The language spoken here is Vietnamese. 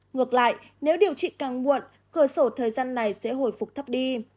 ngược lại nếu điều trị càng muộn cửa sổ thời gian này sẽ hồi phục thấp đi